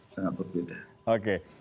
sangat berbeda oke